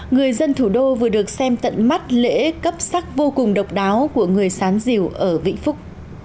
người dân thủ đô vừa được xem tận mắt lễ cấp sắc vô cùng độc đáo của người sán diều ở vĩnh phúc